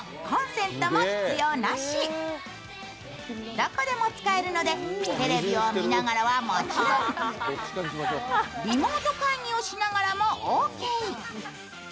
どこでも使えるのでテレビを見ながらはもちろん、リモート会議をしながらもオーケー。